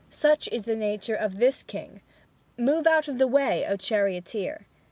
Such is the nature of this king! Move out of the way, O charioteer!"